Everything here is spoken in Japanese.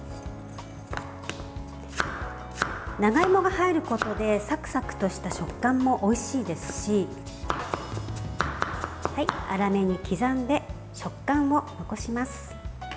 長芋が入ることでサクサクとした食感もおいしいですし粗めに刻んで食感を残します。